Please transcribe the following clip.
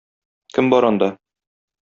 Кем бар анда?